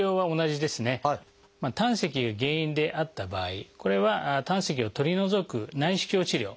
胆石が原因であった場合これは胆石を取り除く内視鏡治療